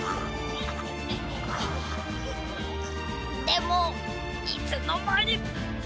でもいつのまに。